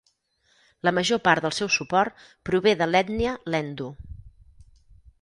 La major part del seu suport prové de l'ètnia Lendu.